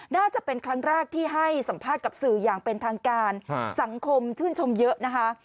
น่าจะเป็นครั้งแรกที่ให้สัมภาษณ์กับสื่ออย่างเป็นทางการสังคมชื่นชมเยอะนะคะ